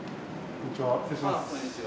こんにちは。